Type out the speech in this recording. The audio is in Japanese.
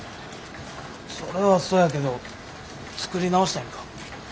それはそうやけど作り直したいんか？